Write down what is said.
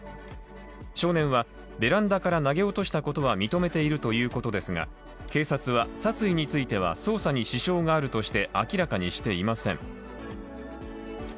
少年は、ベランダから投げ落としたことは認めているということですが、警察は殺意については捜査に支障があるとして明らかにしていません。